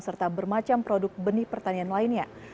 serta bermacam produk benih pertanian lainnya